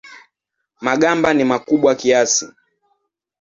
Magamba ni makubwa kiasi.